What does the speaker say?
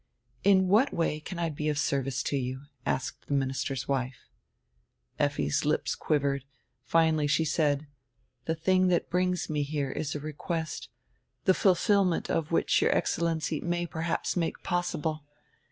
"In what way can I be of service to you!" asked die minister's wife. Effi's lips quivered. Finally she said: "The thing that brings me here is a request, die fulfillment of which your Excellency may perhaps make possible.